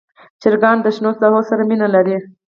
چرګان د شنو ساحو سره مینه لري.